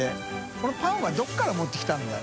このパンはどこから持ってきたんだよ。